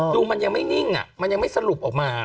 ดูมันยังไม่นิ่งมันยังไม่สรุปออกมา